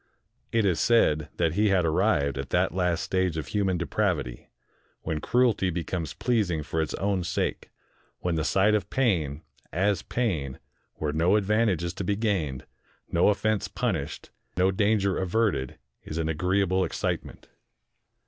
It is said that he had arrived at that last stage of human depravity, when cruelty becomes pleasing for its own sake, when the sight of pain, as pain, where no advantage is to be gained, no off'ense punished, no 157 INDIA danger averted, is an agreeable excitement.